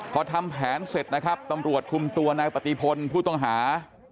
พอทำแผนเสร็จนะครับตำรวจคุมตัวนายปฏิพลผู้ต้องหา